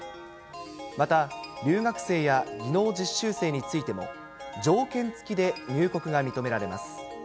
また留学生や技能実習生についても、条件付きで入国が認められます。